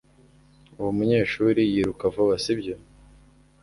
Uwo munyeshuri yiruka vuba sibyo